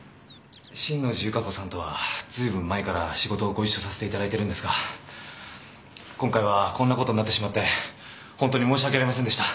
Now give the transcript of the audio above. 親王寺由加子さんとはずいぶん前から仕事をご一緒させていただいてるんですが今回はこんなことになってしまってホントに申し訳ありませんでした。